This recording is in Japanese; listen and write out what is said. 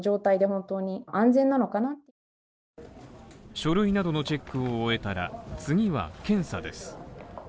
書類などのチェックを終えたら、次は検査です。